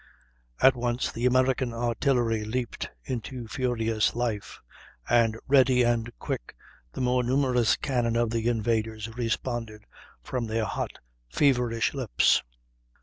At once the American artillery leaped into furious life; and, ready and quick, the more numerous cannon of the invaders responded from their hot, feverish lips.